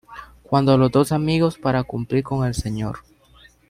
Cuando los dos amigos para cumplir con el Sr.